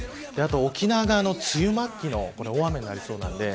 沖縄が梅雨末期の大雨になりそうです。